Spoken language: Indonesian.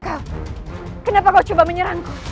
kau kenapa kau coba menyerangku